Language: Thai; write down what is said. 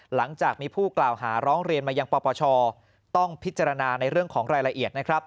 หลังจากมีผู้กล่าวหาร้องเรียนมายังปปชต้องพิจารณาในเรื่องของรายละเอียดนะครับ